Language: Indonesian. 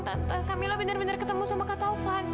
tante kamila bener bener ketemu sama kak taufan